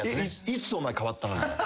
いつお前変わったのよ？